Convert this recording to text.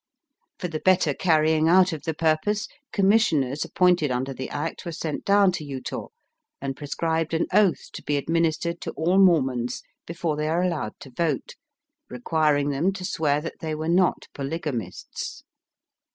For the better carry ing out of the purpose, commissioners ap pointed under the Act were sent down to Utah, and prescribed an oath to be administered to all Mormons befo^re they are allowed to vote, requiring them to swear that they were not polygamists.